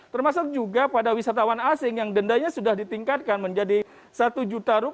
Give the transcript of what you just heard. termasuk juga pada wisatawan asing yang dendanya sudah ditingkatkan menjadi rp satu